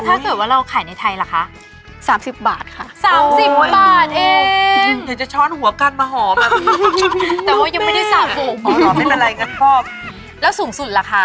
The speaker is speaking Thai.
แต่ว่ายังไม่ได้สารบูอล